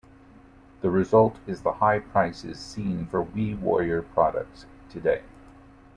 The result is the high prices seen for Wee Warrior products today.